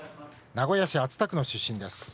名古屋市熱田区の出身です。